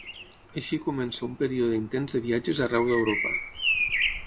Així comença un període intens de viatges arreu d'Europa.